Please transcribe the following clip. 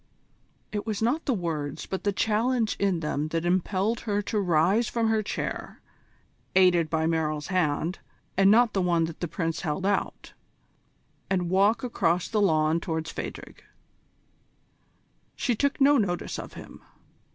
It was not the words but the challenge in them that impelled her to rise from her chair, aided by Merrill's hand, and not the one that the Prince held out, and walk across the lawn towards Phadrig. She took no notice of him.